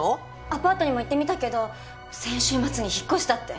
アパートにも行ってみたけど先週末に引っ越したって。